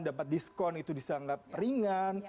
dapat diskon itu disanggap ringan